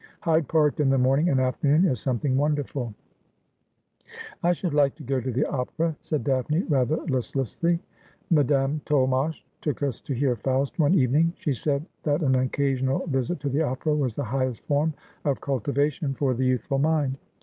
Hyde Park in the morning and afternoon is something wonderful '' I should like to go to the opera,' said Daphne rather list lessly. ' Madame Tolmache took us to hear " Faust" one even ing. She said that an occasional visit to the opera was the highest form of cultivation for the youthful mind.